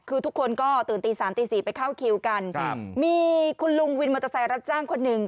คือทุกคนก็ตื่นตีสามตีสี่ไปเข้าคิวกันครับมีคุณลุงวินมอเตอร์ไซค์รับจ้างคนหนึ่ง